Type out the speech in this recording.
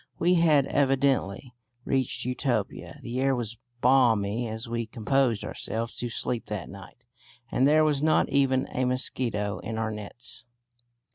We had evidently reached Utopia. The air was balmy as we composed ourselves to sleep that night, and there was not even a mosquito in our nets.